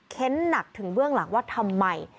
หนักถึงเบื้องหลังว่าทำไม